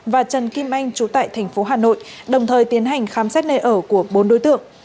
và trần kim anh trú tại thành phố hà nội đồng thời tiến hành khám xét nơi ở của bốn đối tượng